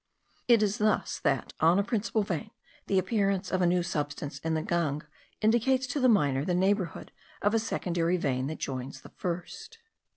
It is thus, that, on a principal vein, the appearance of a new substance in the gangue indicates to the miner the neighbourhood of a secondary vein that joins the first.